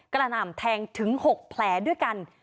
กระหน่ำแทงถึง๖แผลด้วยกัน